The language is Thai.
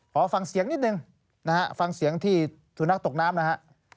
ขอฟังเสียงนิดนึงนะฮะฟังเสียงที่สุนัขตกน้ำนะฮะ